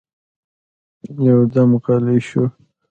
يودم غلی شو.